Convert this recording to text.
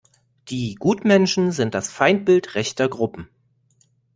Die Gutmenschen sind das Feindbild rechter Gruppen.